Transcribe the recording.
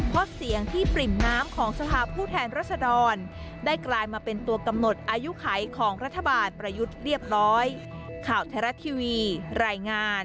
เพราะเสียงที่ปริ่มน้ำของสภาพผู้แทนรัศดรได้กลายมาเป็นตัวกำหนดอายุไขของรัฐบาลประยุทธ์เรียบร้อย